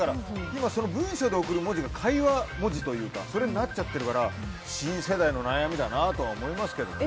今文章で送る文字が会話文字というかになっちゃってるから新世代の悩みだなとは思いますけどね。